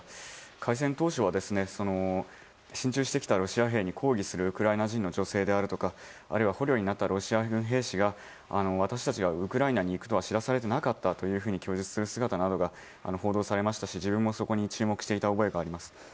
開戦当初は進駐してきたロシア兵に抗議するウクライナ人の女性であるとか捕虜になったロシア軍兵士が私たちはウクライナに行くとは知らされていなかったと供述する姿などが報道されていましたし自分もそこに注目していた覚えがあります。